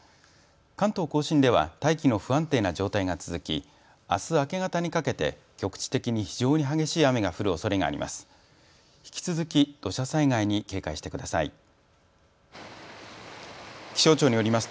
関東甲信では大気の不安定な状態が続きあす明け方にかけて局地的に非常に激しい雨が降るおそれがあります。